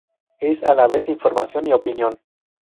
Es a la vez información y opinión.